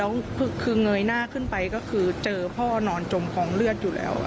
แล้วคือเงยหน้าขึ้นไปก็คือเจอพ่อนอนจมกองเลือดอยู่แล้ว